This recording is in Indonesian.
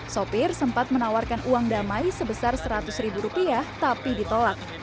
sopir sempat menawarkan uang damai sebesar seratus ribu rupiah tapi ditolak